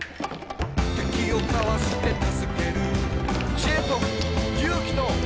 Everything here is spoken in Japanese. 「敵をかわして助ける」「知恵と勇気と希望と」